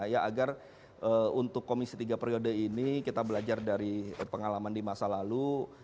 ya agar untuk komisi tiga periode ini kita belajar dari pengalaman di masa lalu